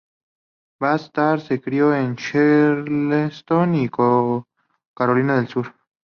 Babs Tarr se crió en Charleston, Carolina del Sur.